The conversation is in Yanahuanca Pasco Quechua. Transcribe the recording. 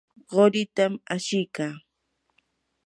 quritam ashikaa.